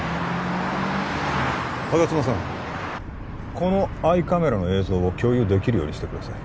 このアイカメラの映像を共有できるようにしてください